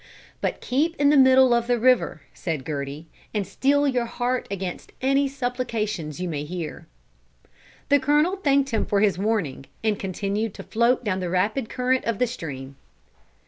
"But keep in the middle of the river," said Gerty, "and steel your heart against any supplications you may hear." The Colonel thanked him for his warning, and continued to float down the rapid current of the stream.